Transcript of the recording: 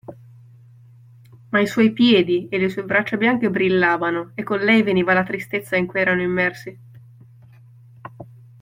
Ma i suoi piedi e le sue braccia bianche brillavano, e con lei veniva la tristezza in cui erano immersi.